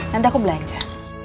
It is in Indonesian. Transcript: nanti aku belanja